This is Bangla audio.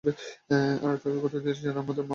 আর তাকে কথা দিয়েছিলে - আমাদের মা মরবে না।